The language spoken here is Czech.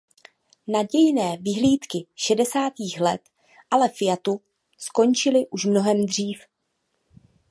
Nadějné vyhlídky šedesátých let ale Fiatu skončily už mnohem dřív.